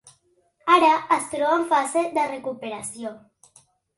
Ara es troba en fase de recuperació.